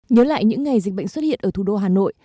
nhớ lại những ngày dịch bệnh xuất hiện ở thủ đô hà nội